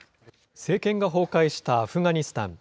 政権が崩壊したアフガニスタン。